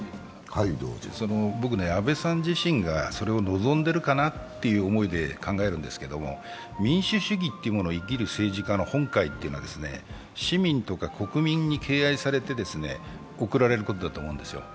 僕、安倍さん自身がそれを望んでるかなということで考えるんですけど民主主義っていうものを生きる政治家の本懐っていうのは、市民とか国民に敬愛されて送られることだと思うんですよ。